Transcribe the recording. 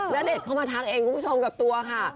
ณเดชน์เข้ามาทักเองคุณผู้ชมกับตัวค่ะ